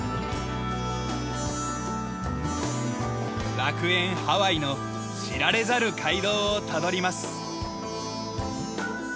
楽園ハワイの知られざる街道をたどります。